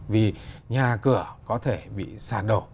vì nhà cửa có thể bị sạt đổ